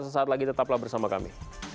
sesaat lagi tetaplah bersama kami